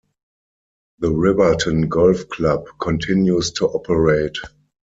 The Riverton Golf Club continues to operate.